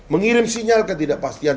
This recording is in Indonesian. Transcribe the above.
mengirim sinyal ketidakpastian